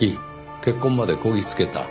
結婚までこぎ着けた。